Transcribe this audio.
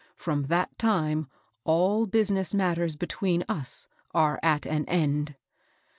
From that time all business matters between us are at an end."